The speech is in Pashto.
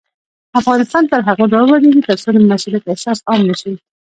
افغانستان تر هغو نه ابادیږي، ترڅو د مسؤلیت احساس عام نشي.